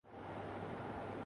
نا ہی پاکستان کا مطلب کیا